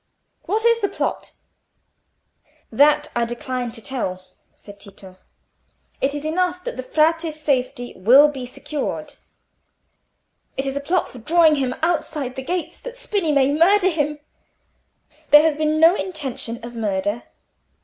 "What is the plot?" "That I decline to tell," said Tito. "It is enough that the Frate's safety will be secured." "It is a plot for drawing him outside the gates that Spini may murder him." "There has been no intention of murder.